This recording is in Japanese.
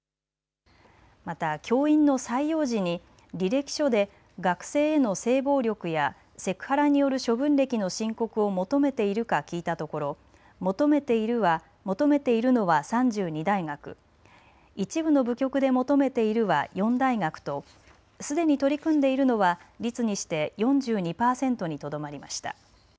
また教員の採用時に履歴書で学生への性暴力やセクハラによる処分歴の申告を求めているか聞いたところ、求めているのは３２大学、一部の部局で求めているは４大学とすでに取り組んでいるのは率にして４２％にとどまりました。